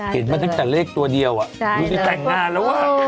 เห็นมาตั้งแต่เลขตัวเดียวดูสิแต่งงานแล้วอ่ะ